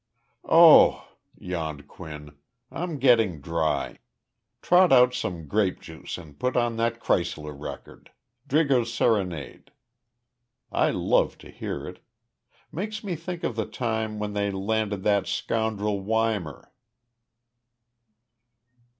"O o o o!" yawned Quinn. "I'm getting dry. Trot out some grape juice and put on that Kreisler record 'Drigo's Serenade.' I love to hear it. Makes me think of the time when they landed that scoundrel Weimar."